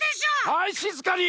はいしずかに！